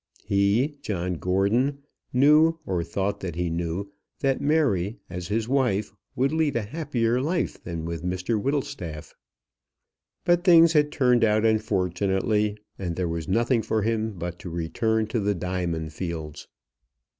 He, John Gordon, knew, or thought that he knew, that Mary, as his wife, would lead a happier life than with Mr Whittlestaff. But things had turned out unfortunately, and there was nothing for him but to return to the diamond fields.